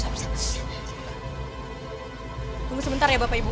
tunggu sebentar ya bapak ibu